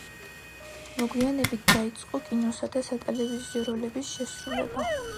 მოგვიანებით დაიწყო კინოსა და სატელევიზიო როლების შესრულება.